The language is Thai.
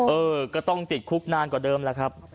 เออก็ต้องติดคุกนานกว่าเดิมแล้วครับ